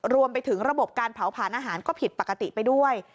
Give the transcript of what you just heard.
รวมไปถึงระบบการเผาผ่านอาหารก็ผิดปกติไปด้วย